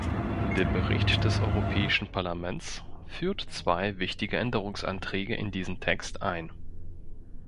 Der Bericht des Europäischen Parlaments führt zwei wichtige Änderungsanträge in diesen Text ein.